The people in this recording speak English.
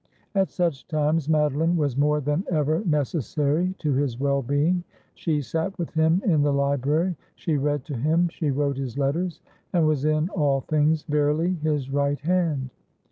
At such times Madeline was more than ever necessary to his well being. She sat with him in the library ; she read to him ; she wrote his letters ; and was in all things verily his right hand.